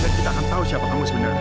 dan kita akan tahu siapa kamu sebenarnya